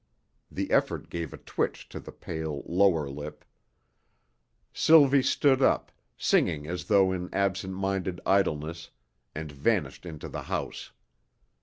The effort gave a twitch to the pale, lower lip. Sylvie stood up, singing as though in absent minded idleness, and vanished into the house.